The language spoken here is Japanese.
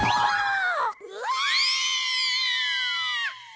うわ！